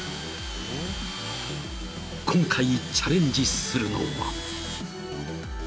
［今回チャレンジするのは］